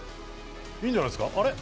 いいんじゃないですか？